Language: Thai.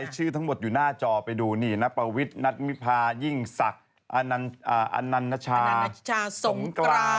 ชื่อทั้งหมดอยู่หน้าจอไปดูนี่นับประวิทย์นัทมิพายิ่งศักดิ์อนันนชาสงกราน